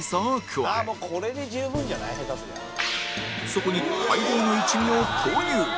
そこに大量の一味を投入